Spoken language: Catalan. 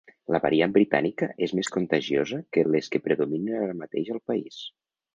La variant britànica és més contagiosa que les que predominen ara mateix al país.